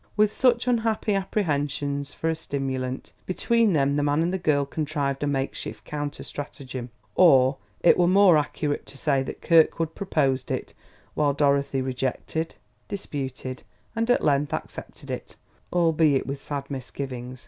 With such unhappy apprehensions for a stimulant, between them the man and the girl contrived a make shift counter stratagem; or it were more accurate to say that Kirkwood proposed it, while Dorothy rejected, disputed, and at length accepted it, albeit with sad misgivings.